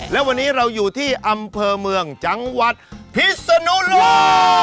และวันนี้เราอยู่ที่อำเภอเมืองจังหวัดพิศนุโลก